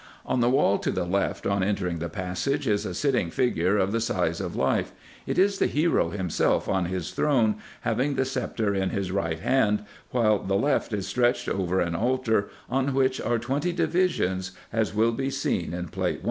On the wall to the left, on entering this passage, is a sitting figure of the size of life : it is the hero himself on his throne, having the sceptre in his right hand, while the left is stretched over an altar, on which are twenty divisions, as will be seen in Plate 1.